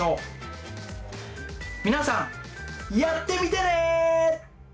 皆さんやってみてね！